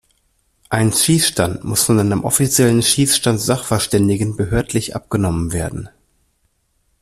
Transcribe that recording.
Ein Schießstand muss von einem offiziellen Schießstand-Sachverständigen behördlich abgenommen werden.